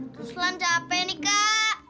terus lancar apa ini kak